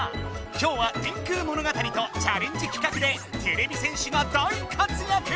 今日は「電空物語」とチャレンジ企画でてれび戦士が大かつやく！